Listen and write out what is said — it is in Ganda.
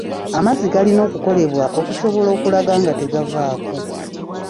Amazzi galina okukolebwa okusobola okulaba nga tegavaako.